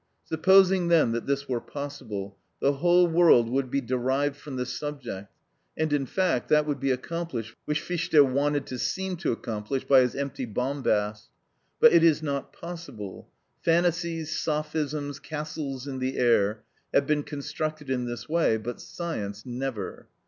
Supposing, then, that this were possible, the whole world would be derived from the subject, and in fact, that would be accomplished which Fichte wanted to seem to accomplish by his empty bombast. But it is not possible: phantasies, sophisms, castles in the air, have been constructed in this way, but science never.